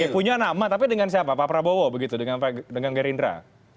punya nama tapi dengan siapa pak prabowo begitu dengan gerindra